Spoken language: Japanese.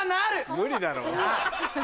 無理だろ。